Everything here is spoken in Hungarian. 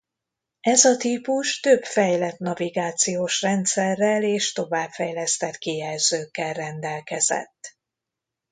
Ez a típus több fejlett navigációs rendszerrel és továbbfejlesztett kijelzőkkel rendelkezett.